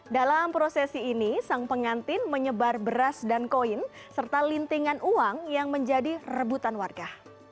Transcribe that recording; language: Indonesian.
dalam prosesi ini sang pengantin menyebar beras dan koin serta lintingan uang yang menjadi rebutan warga